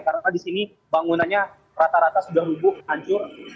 karena di sini bangunannya rata rata sudah lubuk hancur